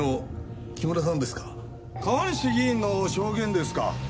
川西議員の証言ですか？